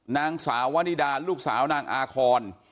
นางสาววนิดาลูกสาวนางอาคอน